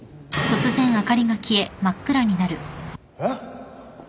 えっ？